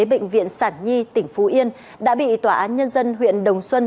bệnh viện sản nhi tỉnh phú yên đã bị tòa án nhân dân huyện đồng xuân